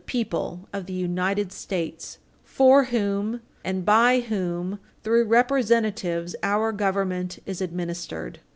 564 People of the United States, for whom and by whom, through representatives, our government is administered.